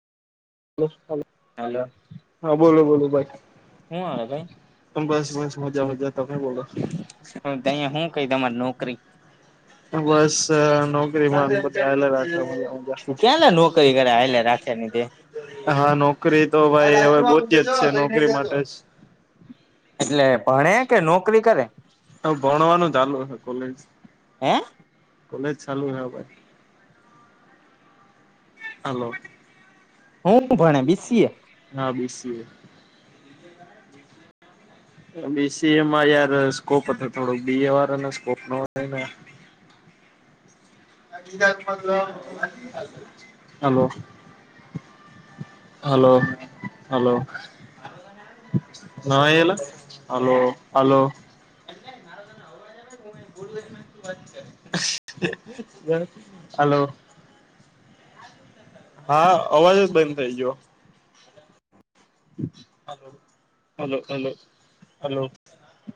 Hello હા બોલો બોલો હું હાલે ત બસ બસ મજા મજા તો ક બોલો અહીયા હું કઈ તમારી નોકરી બસ નોકરીમાં અમે બઘારાખ કાલે રાતેને દ હા નોકરી તો ભાઈ હવે બધ્ય જ છે નોકરી માટે જ એટલે ભણે કે નોકરી કરે? આ ભણવાનુંું જાાલ કોલેજ હે કોલેજ ચાલુ હે ભાઈ હલો હું ભણે બીસીએ હા બીસીએ બીસી એમાં યાર સ્કોપ હતો થોડુંક બી એ વાળા સ્કોપ નો હલોો હલોો હલો ના એલા હલો હલો હલોલો હા અવાજ જ બન થઇ ગયો. હ હલો હલો હલો